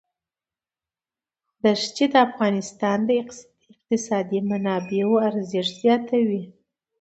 ښتې د افغانستان د اقتصادي منابعو ارزښت زیاتوي.